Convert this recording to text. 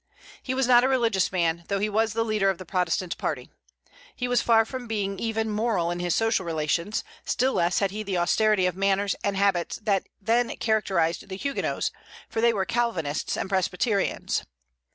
He was not a religious man, although he was the leader of the Protestant party. He was far from being even moral in his social relations; still less had he the austerity of manners and habits that then characterized the Huguenots, for they were Calvinists and Presbyterians.